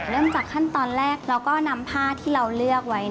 เริ่มจากขั้นตอนแรกเราก็นำผ้าที่เราเลือกไว้